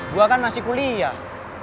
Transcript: gue kan masih kuliah